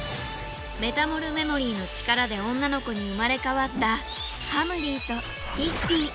メタモルメモリーの力で女の子に生まれ変わったはむりぃとぴっぴぃ。